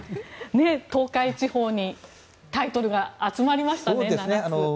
東海地方にタイトルが集まりましたね。